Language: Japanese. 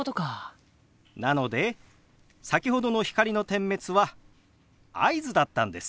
なので先ほどの光の点滅は合図だったんです。